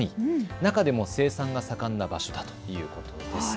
中でも生産が盛んな場所だということです。